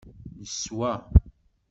Neswa.